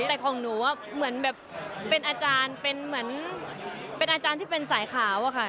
แต่ของหนูเหมือนแบบเป็นอาจารย์เป็นเหมือนเป็นอาจารย์ที่เป็นสายขาวอะค่ะ